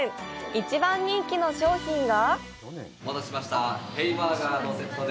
一番人気の商品が？